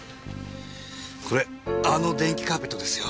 これあの電気カーペットですよ。